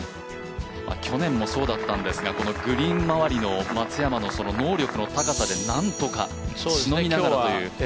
去年もそうだったんですが、このグリーン周りの松山の能力の高さでなんとか、しのぎながらという。